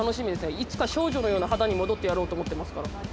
いつか少女のような肌に戻ってやろうと思ってますから。